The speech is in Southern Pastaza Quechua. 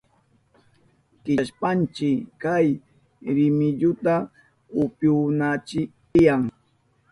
Kichashpanchi kay rimilluta upyananchi tiyan.